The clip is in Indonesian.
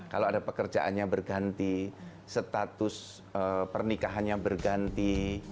kalau ada pekerjaannya berganti status pernikahannya berganti